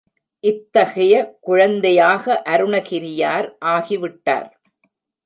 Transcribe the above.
இத்தகைய குழந்தையாக அருணகிரியார் ஆகிவிட்டார்.